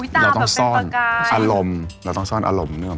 ตาแบบเป็นประกายใช่ไหมเราต้องซ่อนอารมณ์